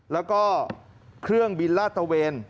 แล้วก็เครื่องบินลาดตะเวน